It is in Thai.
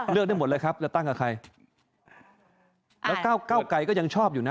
เลือกได้หมดเลยครับแล้วตั้งกับใครแล้วก้าวไก่ก็ยังชอบอยู่นะ